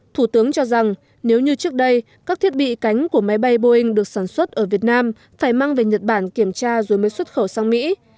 thủ tướng cho rằng nếu như trước đây các thiết bị cánh của máy bay boeing được sản xuất ở việt nam phải mang về nhật bản kiểm tra rồi mới xuất khẩu sang mỹ